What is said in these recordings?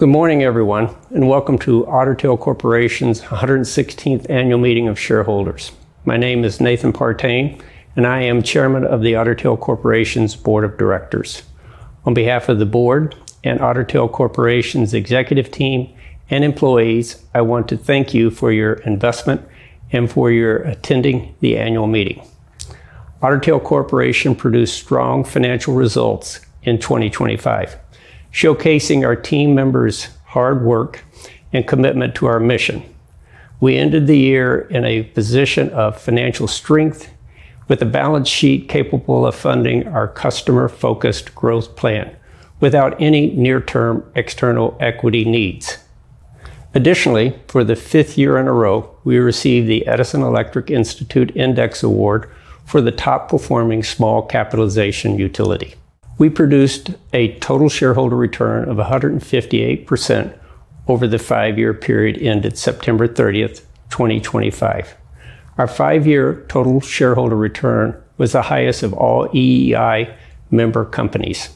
Good morning, everyone, and welcome to Otter Tail Corporation's 116th Annual Meeting of Shareholders. My name is Nathan Partain, and I am Chairman of the Otter Tail Corporation's Board of Directors. On behalf of the Board and Otter Tail Corporation's Executive Team and employees, I want to thank you for your investment and for your attending the annual meeting. Otter Tail Corporation produced strong financial results in 2025, showcasing our team members' hard work and commitment to our mission. We ended the year in a position of financial strength with a balance sheet capable of funding our customer-focused growth plan without any near-term external equity needs. Additionally, for the fifth year in a row, we received the Edison Electric Institute Index Award for the top-performing small capitalization utility. We produced a total shareholder return of 158% over the five-year period ended September 30th, 2025. Our five-year total shareholder return was the highest of all EEI member companies.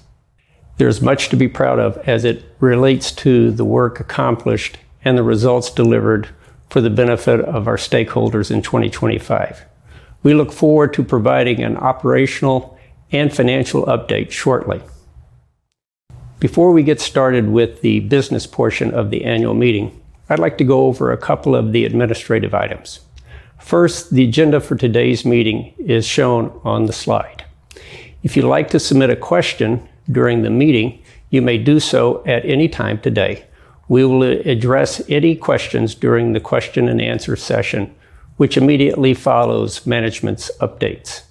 There's much to be proud of as it relates to the work accomplished and the results delivered for the benefit of our stakeholders in 2025. We look forward to providing an operational and financial update shortly. Before we get started with the business portion of the annual meeting, I'd like to go over a couple of the administrative items. First, the agenda for today's meeting is shown on the slide. If you'd like to submit a question during the meeting, you may do so at any time today. We will address any questions during the question and answer session, which immediately follows management's updates.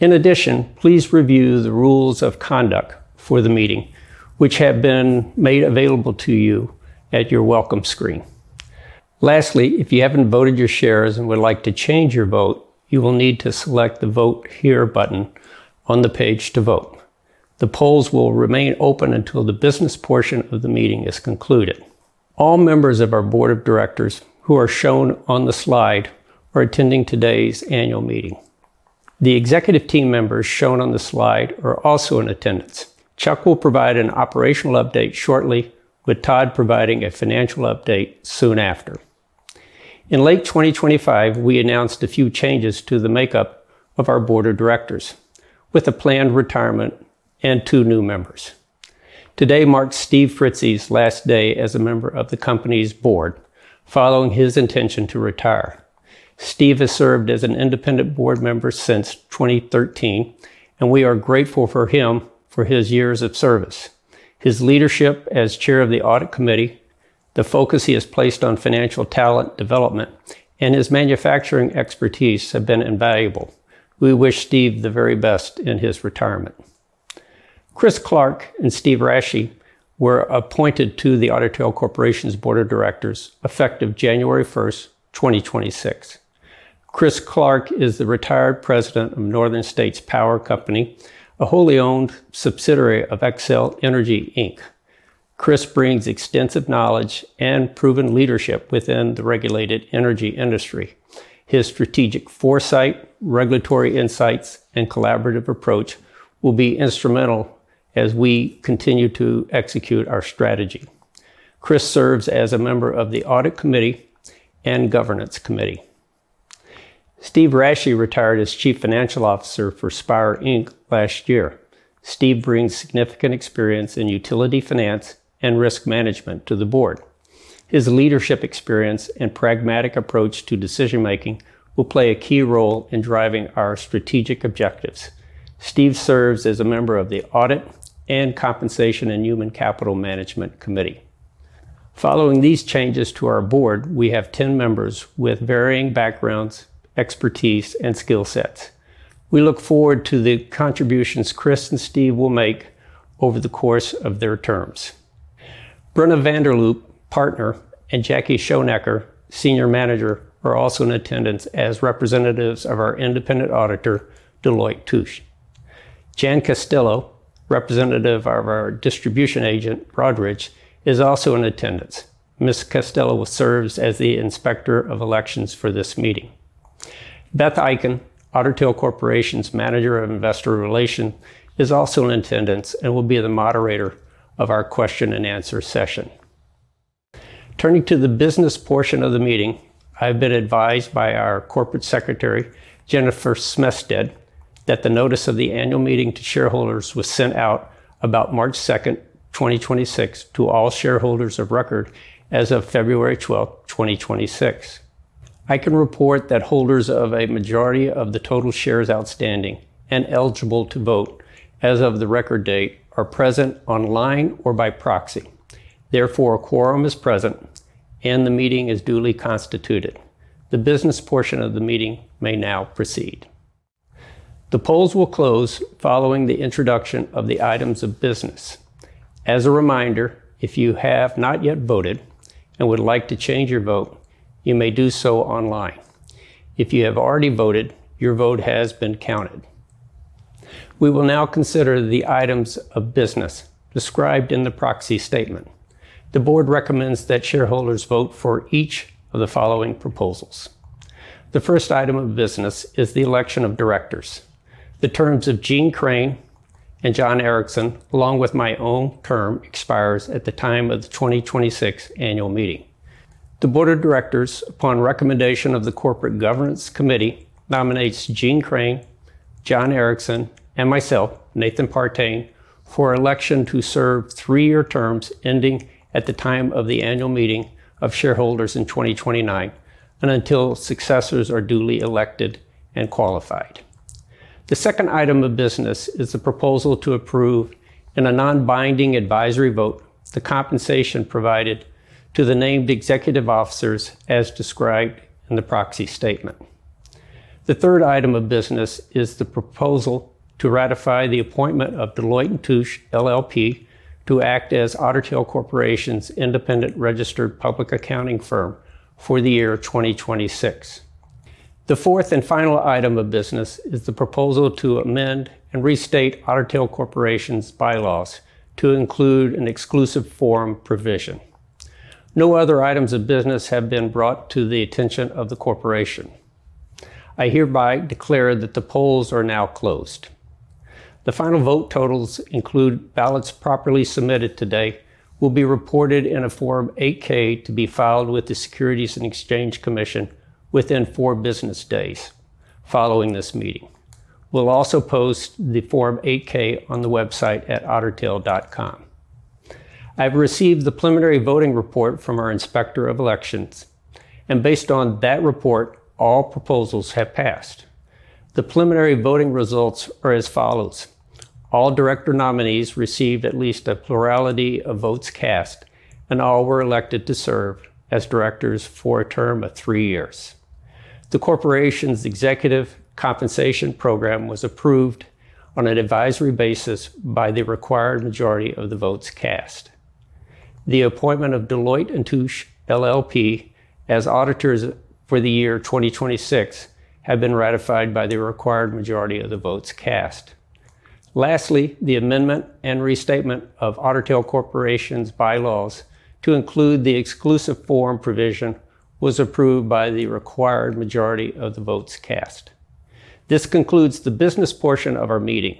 In addition, please review the rules of conduct for the meeting, which have been made available to you at your welcome screen. Lastly, if you haven't voted your shares and would like to change your vote, you will need to select the Vote Here button on the page to vote. The polls will remain open until the business portion of the meeting is concluded. All members of our Board of Directors who are shown on the slide are attending today's Annual Meeting. The Executive Team members shown on the slide are also in attendance. Chuck will provide an operational update shortly, with Todd providing a financial update soon after. In late 2025, we announced a few changes to the makeup of our Board of Directors with a planned retirement and two new members. Today marks Steve Fritze's last day as a member of the company's Board, following his intention to retire. Steve has served as an independent Board member since 2013, and we are grateful for him for his years of service. His leadership as Chair of the Audit Committee, the focus he has placed on financial talent development, and his manufacturing expertise have been invaluable. We wish Steve the very best in his retirement. Chris Clark and Steve Rasche were appointed to the Otter Tail Corporation's Board of Directors effective January 1st, 2026. Chris Clark is the retired President of Northern States Power Company, a wholly-owned subsidiary of Xcel Energy Inc. Chris brings extensive knowledge and proven leadership within the regulated energy industry. His strategic foresight, regulatory insights, and collaborative approach will be instrumental as we continue to execute our strategy. Chris serves as a member of the Audit Committee and Governance Committee. Steve Rasche retired as Chief Financial Officer for Spire Inc. last year. Steve brings significant experience in utility finance and risk management to the Board. His leadership experience and pragmatic approach to decision-making will play a key role in driving our strategic objectives. Steve serves as a member of the Audit and Compensation and Human Capital Management Committee. Following these changes to our board, we have 10 members with varying backgrounds, expertise, and skill sets. We look forward to the contributions Chris and Steve will make over the course of their terms. Brenna Vanderloop, Partner, and Jackie Schonecker, Senior Manager, are also in attendance as representatives of our independent auditor, Deloitte & Touche. Jan Costello, Representative of our distribution agent, Broadridge, is also in attendance. Ms. Costello serves as the Inspector of Elections for this meeting. Beth Eiken, Otter Tail Corporation's Manager of Investor Relations, is also in attendance and will be the moderator of our question and answer session. Turning to the business portion of the meeting, I've been advised by our Corporate Secretary, Jennifer Smestad, that the notice of the Annual Meeting to shareholders was sent out about March 2nd, 2026, to all shareholders of record as of February 12th, 2026. I can report that holders of a majority of the total shares outstanding and eligible to vote as of the record date are present online or by proxy. Therefore, a quorum is present, and the meeting is duly constituted. The business portion of the meeting may now proceed. The polls will close following the introduction of the items of business. As a reminder, if you have not yet voted and would like to change your vote, you may do so online. If you have already voted, your vote has been counted. We will now consider the items of business described in the proxy statement. The Board recommends that shareholders vote for each of the following proposals. The first item of business is the election of Directors. The terms of Jeanne Crain and John Erickson, along with my own term, expires at the time of the 2026 Annual Meeting. The Board of Directors, upon recommendation of the Corporate Governance Committee, nominates Jeanne Crain, John Erickson, and myself, Nathan Partain, for election to serve three-year terms ending at the time of the Annual Meeting of Shareholders in 2029, and until successors are duly elected and qualified. The second item of business is the proposal to approve, in a non-binding advisory vote, the compensation provided to the Named Executive Officers as described in the proxy statement. The third item of business is the proposal to ratify the appointment of Deloitte & Touche LLP to act as Otter Tail Corporation's independent registered public accounting firm for the year 2026. The fourth and final item of business is the proposal to amend and restate Otter Tail Corporation's bylaws to include an exclusive forum provision. No other items of business have been brought to the attention of the corporation. I hereby declare that the polls are now closed. The final vote totals include ballots properly submitted today, will be reported in a Form 8-K to be filed with the Securities and Exchange Commission within four business days following this meeting. We'll also post the Form 8-K on the website at ottertail.com. I've received the preliminary voting report from our Inspector of Elections, and based on that report, all proposals have passed. The preliminary voting results are as follows. All Director nominees received at least a plurality of votes cast, and all were elected to serve as Directors for a term of three years. The Corporation's executive compensation program was approved on an advisory basis by the required majority of the votes cast. The appointment of Deloitte & Touche LLP as auditors for the year 2026 have been ratified by the required majority of the votes cast. Lastly, the amendment and restatement of Otter Tail Corporation's bylaws to include the exclusive forum provision was approved by the required majority of the votes cast. This concludes the business portion of our meeting.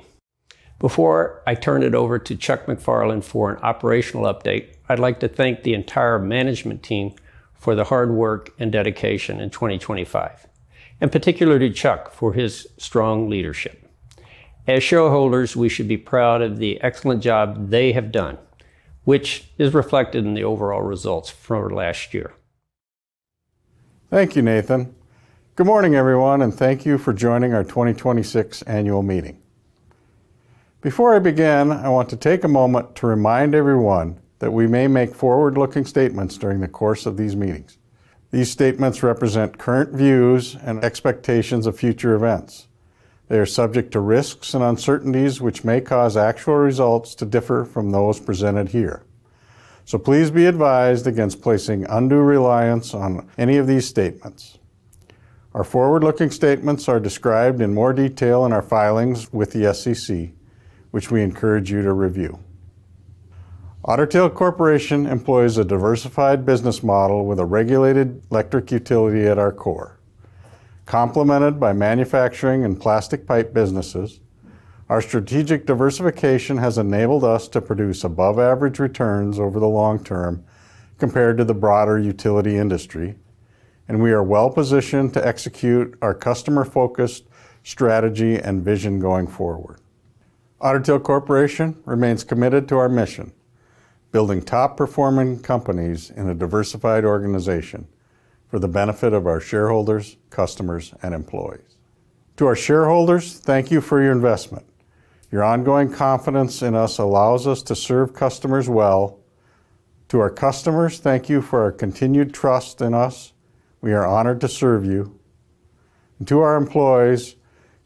Before I turn it over to Chuck MacFarlane for an operational update, I'd like to thank the entire management team for the hard work and dedication in 2025, in particular to Chuck for his strong leadership. As shareholders, we should be proud of the excellent job they have done, which is reflected in the overall results for last year. Thank you, Nathan. Good morning, everyone, and thank you for joining our 2026 annual meeting. Before I begin, I want to take a moment to remind everyone that we may make forward-looking statements during the course of these meetings. These statements represent current views and expectations of future events. They are subject to risks and uncertainties which may cause actual results to differ from those presented here. Please be advised against placing undue reliance on any of these statements. Our forward-looking statements are described in more detail in our filings with the SEC, which we encourage you to review. Otter Tail Corporation employs a diversified business model with a regulated electric utility at our core, complemented by manufacturing and plastic pipe businesses. Our strategic diversification has enabled us to produce above-average returns over the long term compared to the broader utility industry, and we are well positioned to execute our customer-focused strategy and vision going forward. Otter Tail Corporation remains committed to our mission, building top-performing companies in a diversified organization for the benefit of our shareholders, customers, and employees. To our shareholders, thank you for your investment. Your ongoing confidence in us allows us to serve customers well. To our customers, thank you for your continued trust in us. We are honored to serve you. To our employees,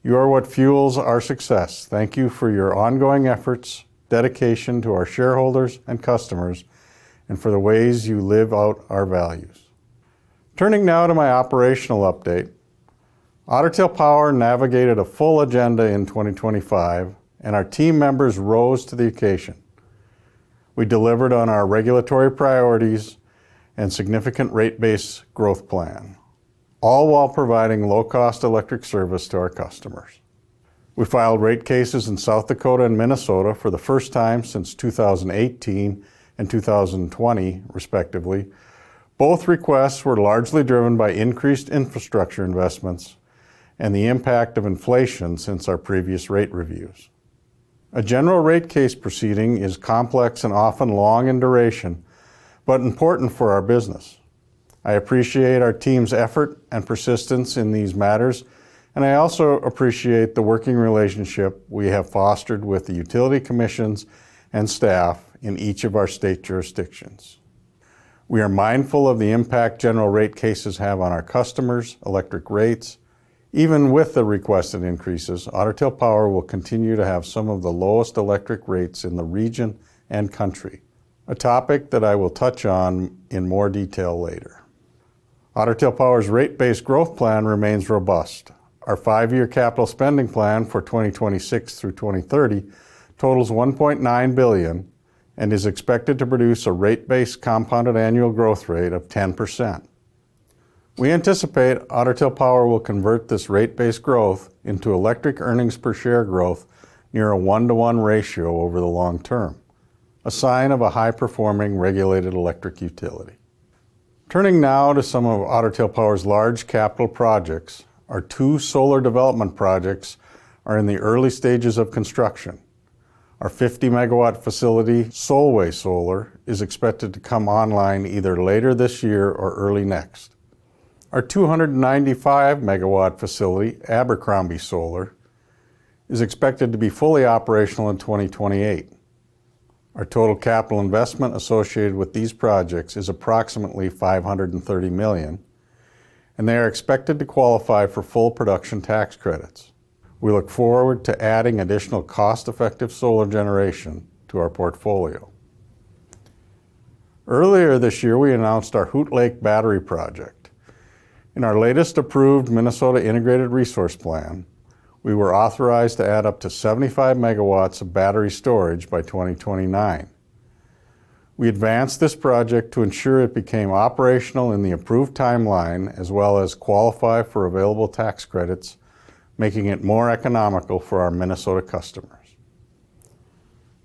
you are what fuels our success. Thank you for your ongoing efforts, dedication to our shareholders and customers, and for the ways you live out our values. Turning now to my operational update. Otter Tail Power navigated a full agenda in 2025, and our team members rose to the occasion. We delivered on our regulatory priorities and significant rate base growth plan, all while providing low-cost electric service to our customers. We filed rate cases in South Dakota and Minnesota for the first time since 2018 and 2020, respectively. Both requests were largely driven by increased infrastructure investments and the impact of inflation since our previous rate reviews. A general rate case proceeding is complex and often long in duration, but important for our business. I appreciate our team's effort and persistence in these matters, and I also appreciate the working relationship we have fostered with the utility commissions and staff in each of our state jurisdictions. We are mindful of the impact general rate cases have on our customers' electric rates. Even with the requested increases, Otter Tail Power will continue to have some of the lowest electric rates in the region and country, a topic that I will touch on in more detail later. Otter Tail Power's rate-base growth plan remains robust. Our five-year capital spending plan for 2026-2030 totals $1.9 billion and is expected to produce a rate-base compounded annual growth rate of 10%. We anticipate Otter Tail Power will convert this rate-base growth into electric earnings per share growth near a 1/1 ratio over the long term, a sign of a high-performing regulated electric utility. Turning now to some of Otter Tail Power's large capital projects, our two solar development projects are in the early stages of construction. Our 50 MW facility, Solway Solar, is expected to come online either later this year or early next. Our 295 MW facility, Abercrombie Solar, is expected to be fully operational in 2028. Our total capital investment associated with these projects is approximately $530 million, and they are expected to qualify for full production tax credits. We look forward to adding additional cost-effective solar generation to our portfolio. Earlier this year, we announced our Hoot Lake Battery project. In our latest approved Minnesota Integrated Resource Plan, we were authorized to add up to 75 MW of battery storage by 2029. We advanced this project to ensure it became operational in the approved timeline, as well as qualify for available tax credits, making it more economical for our Minnesota customers.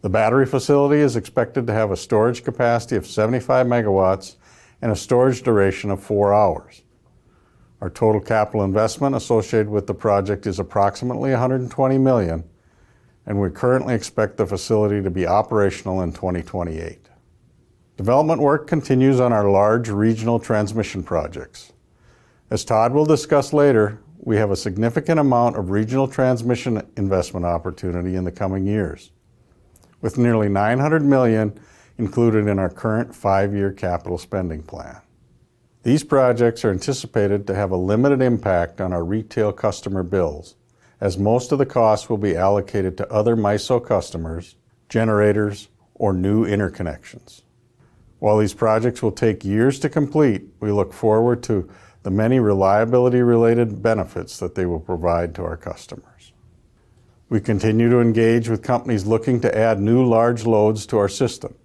The battery facility is expected to have a storage capacity of 75 MW and a storage duration of four hours. Our total capital investment associated with the project is approximately $120 million, and we currently expect the facility to be operational in 2028. Development work continues on our large regional transmission projects. As Todd will discuss later, we have a significant amount of regional transmission investment opportunity in the coming years, with nearly $900 million included in our current five-year capital spending plan. These projects are anticipated to have a limited impact on our retail customer bills, as most of the costs will be allocated to other MISO customers, generators, or new interconnections. While these projects will take years to complete, we look forward to the many reliability-related benefits that they will provide to our customers. We continue to engage with companies looking to add new large loads to our system.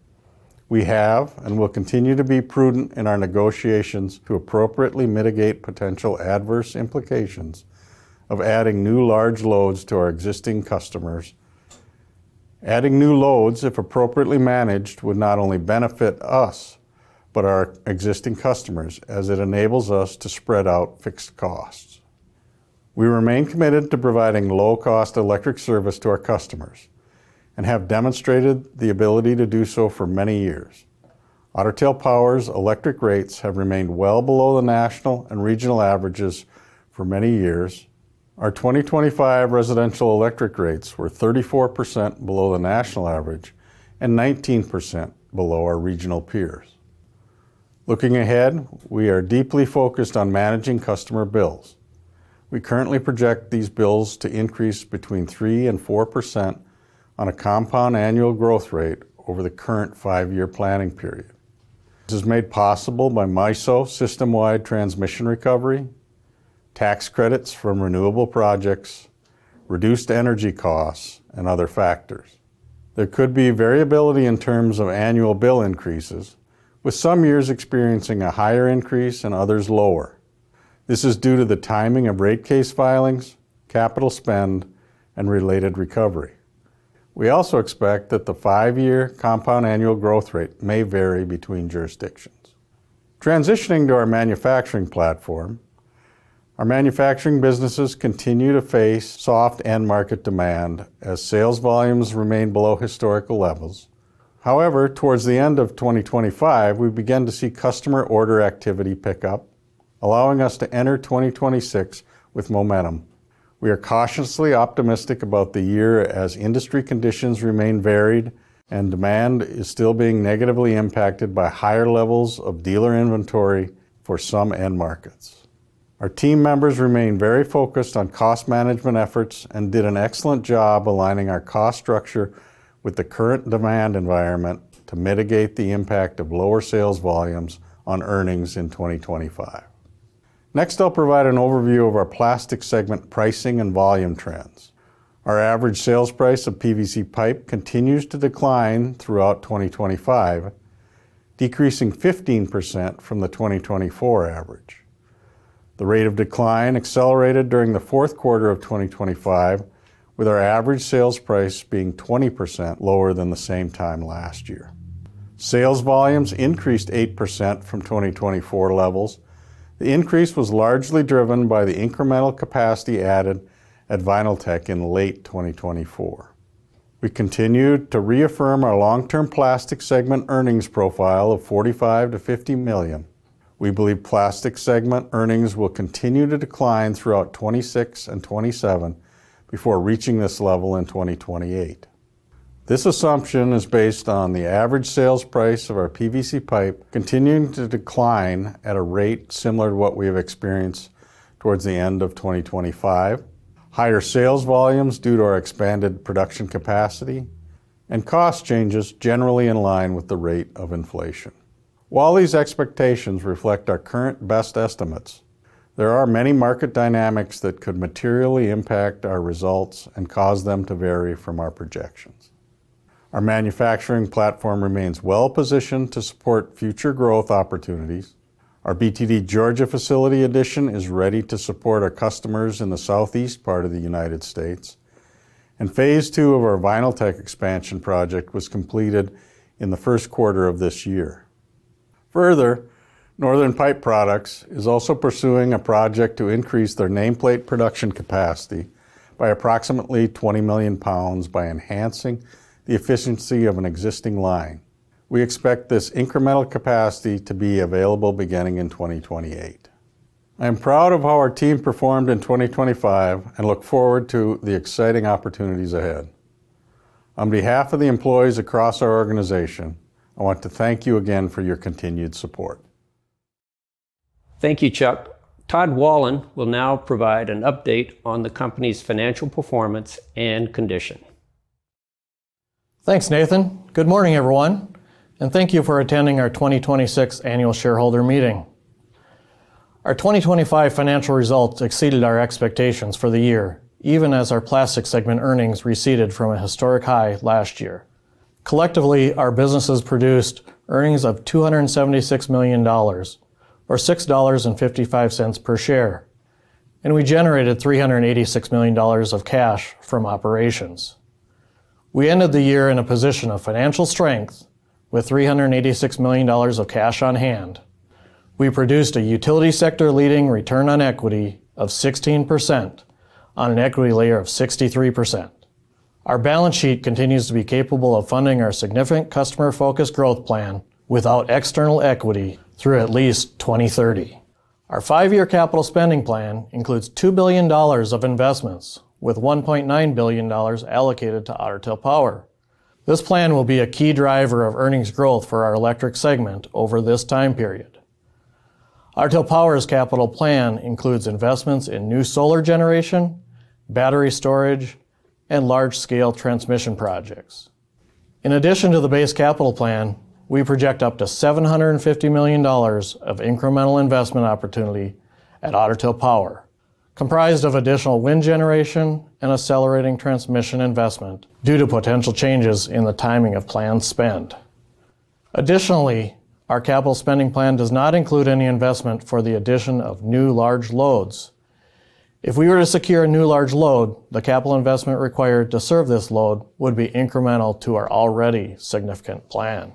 We have and will continue to be prudent in our negotiations to appropriately mitigate potential adverse implications of adding new large loads to our existing customers. Adding new loads, if appropriately managed, would not only benefit us but our existing customers as it enables us to spread out fixed costs. We remain committed to providing low-cost electric service to our customers and have demonstrated the ability to do so for many years. Otter Tail Power's electric rates have remained well below the national and regional averages for many years. Our 2025 residential electric rates were 34% below the national average and 19% below our regional peers. Looking ahead, we are deeply focused on managing customer bills. We currently project these bills to increase between 3% and 4% on a compound annual growth rate over the current five-year planning period. This is made possible by MISO system-wide transmission recovery, tax credits from renewable projects, reduced energy costs, and other factors. There could be variability in terms of annual bill increases, with some years experiencing a higher increase and others lower. This is due to the timing of rate case filings, capital spend, and related recovery. We also expect that the five-year compound annual growth rate may vary between jurisdictions. Transitioning to our manufacturing platform, our manufacturing businesses continue to face soft end-market demand as sales volumes remain below historical levels. However, towards the end of 2025, we began to see customer order activity pick up, allowing us to enter 2026 with momentum. We are cautiously optimistic about the year as industry conditions remain varied and demand is still being negatively impacted by higher levels of dealer inventory for some end markets. Our team members remain very focused on cost management efforts and did an excellent job aligning our cost structure with the current demand environment to mitigate the impact of lower sales volumes on earnings in 2025. Next, I'll provide an overview of our Plastics segment pricing and volume trends. Our average sales price of PVC pipe continues to decline throughout 2025, decreasing 15% from the 2024 average. The rate of decline accelerated during the fourth quarter of 2025, with our average sales price being 20% lower than the same time last year. Sales volumes increased 8% from 2024 levels. The increase was largely driven by the incremental capacity added at Vinyltech in late 2024. We continued to reaffirm our long-term Plastics segment earnings profile of $45 million-$50 million. We believe Plastics segment earnings will continue to decline throughout 2026 and 2027 before reaching this level in 2028. This assumption is based on the average sales price of our PVC pipe continuing to decline at a rate similar to what we have experienced towards the end of 2025, higher sales volumes due to our expanded production capacity, and cost changes generally in line with the rate of inflation. While these expectations reflect our current best estimates, there are many market dynamics that could materially impact our results and cause them to vary from our projections. Our manufacturing platform remains well-positioned to support future growth opportunities. Our BTD Georgia facility addition is ready to support our customers in the southeast part of the United States, and phase two of our Vinyltech expansion project was completed in the first quarter of this year. Further, Northern Pipe Products is also pursuing a project to increase their nameplate production capacity by approximately 20 million lbs by enhancing the efficiency of an existing line. We expect this incremental capacity to be available beginning in 2028. I am proud of how our team performed in 2025 and look forward to the exciting opportunities ahead. On behalf of the employees across our organization, I want to thank you again for your continued support. Thank you, Chuck. Todd Wahlund will now provide an update on the company's financial performance and condition. Thanks, Nathan. Good morning, everyone, and thank you for attending our 2026 annual shareholder meeting. Our 2025 financial results exceeded our expectations for the year, even as our Plastics segment earnings receded from a historic high last year. Collectively, our businesses produced earnings of $276 million, or $6.55 per share, and we generated $386 million of cash from operations. We ended the year in a position of financial strength with $386 million of cash on hand. We produced a utility sector leading return on equity of 16% on an equity layer of 63%. Our balance sheet continues to be capable of funding our significant customer-focused growth plan without external equity through at least 2030. Our five-year capital spending plan includes $2 billion of investments with $1.9 billion allocated to Otter Tail Power. This plan will be a key driver of earnings growth for our Electric segment over this time period. Otter Tail Power's capital plan includes investments in new solar generation, battery storage, and large-scale transmission projects. In addition to the base capital plan, we project up to $750 million of incremental investment opportunity at Otter Tail Power, comprised of additional wind generation and accelerating transmission investment due to potential changes in the timing of planned spend. Additionally, our capital spending plan does not include any investment for the addition of new large loads. If we were to secure a new large load, the capital investment required to serve this load would be incremental to our already significant plan.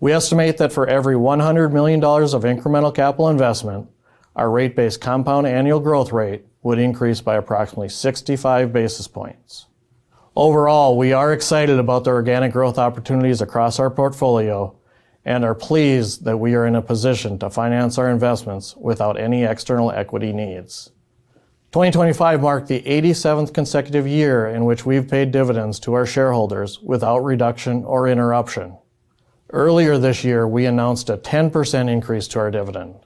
We estimate that for every $100 million of incremental capital investment, our rate base compound annual growth rate would increase by approximately 65 basis points. Overall, we are excited about the organic growth opportunities across our portfolio and are pleased that we are in a position to finance our investments without any external equity needs. 2025 marked the 87th consecutive year in which we've paid dividends to our shareholders without reduction or interruption. Earlier this year, we announced a 10% increase to our dividend,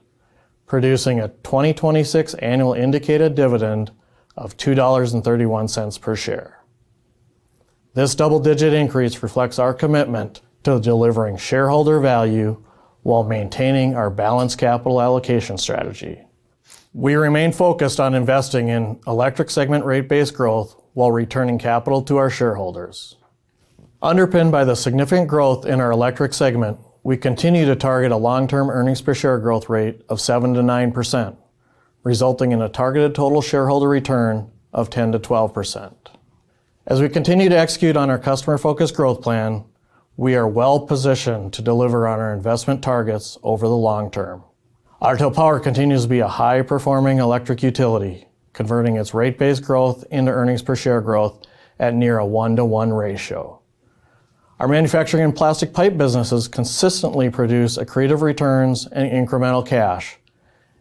producing a 2026 annual indicated dividend of $2.31 per share. This double-digit increase reflects our commitment to delivering shareholder value while maintaining our balanced capital allocation strategy. We remain focused on investing in Electric segment rate base growth while returning capital to our shareholders. Underpinned by the significant growth in our Electric segment, we continue to target a long-term earnings per share growth rate of 7%-9%, resulting in a targeted total shareholder return of 10%-12%. As we continue to execute on our customer-focused growth plan, we are well-positioned to deliver on our investment targets over the long term. Otter Tail Power continues to be a high-performing electric utility, converting its rate base growth into earnings per share growth at near a 1/1 ratio. Our manufacturing and plastic pipe businesses consistently produce accretive returns and incremental cash,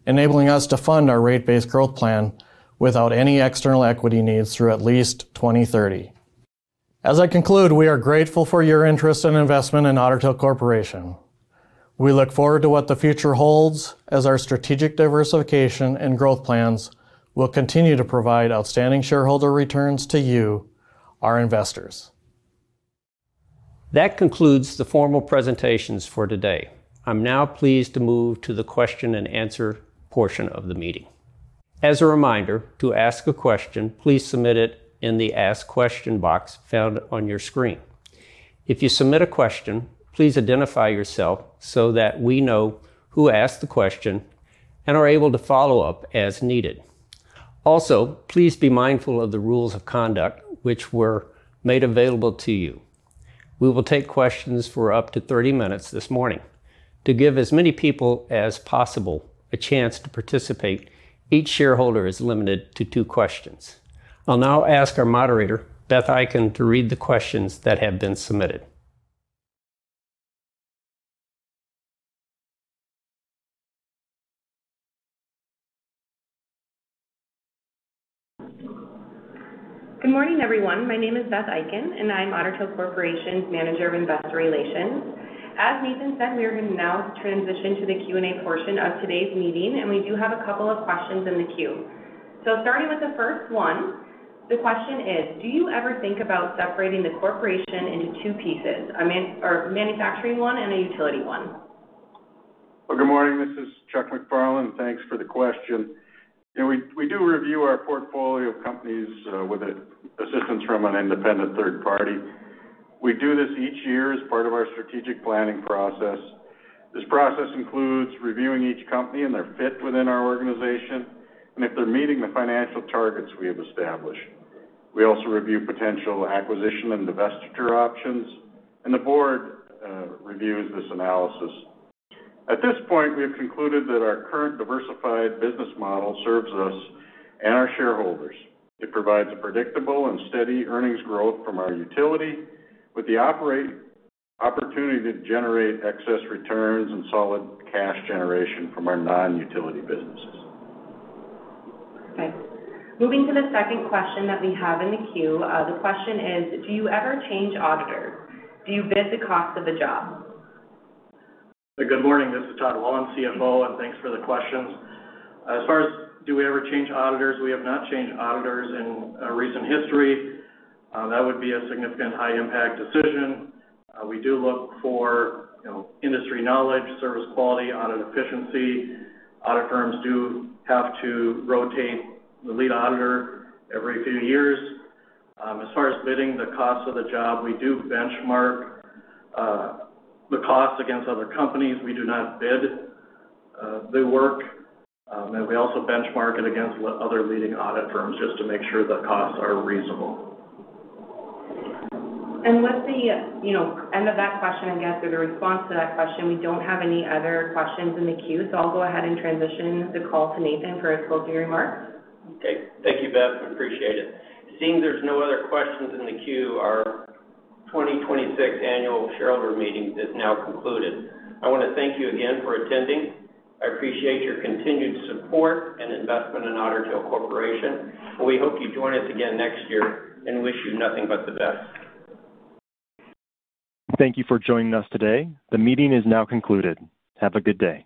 enabling us to fund our rate base growth plan without any external equity needs through at least 2030. As I conclude, we are grateful for your interest and investment in Otter Tail Corporation. We look forward to what the future holds as our strategic diversification and growth plans will continue to provide outstanding shareholder returns to you, our investors. That concludes the formal presentations for today. I'm now pleased to move to the question and answer portion of the meeting. As a reminder, to ask a question, please submit it in the Ask Question box found on your screen. If you submit a question, please identify yourself so that we know who asked the question and are able to follow up as needed. Also, please be mindful of the Rules of Conduct which were made available to you. We will take questions for up to 30 minutes this morning. To give as many people as possible a chance to participate, each shareholder is limited to two questions. I'll now ask our Moderator, Beth Eiken, to read the questions that have been submitted. Good morning, everyone. My name is Beth Eiken, and I'm Otter Tail Corporation's Manager of Investor Relations. As Nathan said, we are going to now transition to the Q&A portion of today's meeting, and we do have a couple of questions in the queue, starting with the first one. The question is, do you ever think about separating the Corporation into two pieces, a manufacturing one and a utility one? Well, good morning. This is Chuck MacFarlane. Thanks for the question. We do review our portfolio of companies with assistance from an independent third party. We do this each year as part of our strategic planning process. This process includes reviewing each company and their fit within our organization and if they're meeting the financial targets we have established. We also review potential acquisition and divestiture options, and the Board reviews this analysis. At this point, we have concluded that our current diversified business model serves us and our shareholders. It provides a predictable and steady earnings growth from our utility with the opportunity to generate excess returns and solid cash generation from our non-utility businesses. Okay. Moving to the second question that we have in the queue. The question is, do you ever change auditors? Do you bid the cost of the job? Good morning. This is Todd Wahlund, CFO. Thanks for the questions. As far as do we ever change auditors, we have not changed auditors in recent history. That would be a significant high-impact decision. We do look for industry knowledge, service quality, audit efficiency. Audit firms do have to rotate the lead auditor every few years. As far as bidding the cost of the job, we do benchmark the cost against other companies. We do not bid the work. We also benchmark it against other leading audit firms just to make sure the costs are reasonable. With the end of that question, I guess, or the response to that question, we don't have any other questions in the queue. I'll go ahead and transition the call to Nathan for his closing remarks. Okay. Thank you, Beth, appreciate it. Seeing there's no other questions in the queue, our 2026 Annual Shareholder Meeting is now concluded. I want to thank you again for attending. I appreciate your continued support and investment in Otter Tail Corporation. We hope you join us again next year and wish you nothing but the best. Thank you for joining us today. The meeting is now concluded. Have a good day.